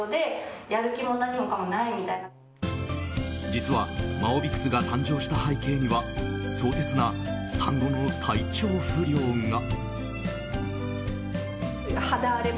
実は、マオビクスが誕生した背景には壮絶な産後の体調不良が。